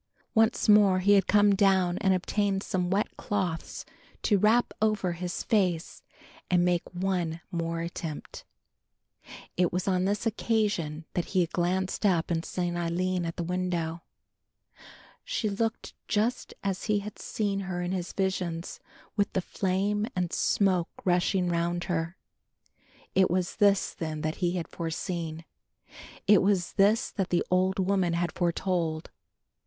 Once more he had come down and obtained some wet cloths to wrap over his face and make one more attempt. It was on this occasion that he had glanced up and seen Aline at the window. She looked just as he had seen her in his visions with the flame and smoke rushing round her. It was this then that he had foreseen. It was this that the old woman had foretold.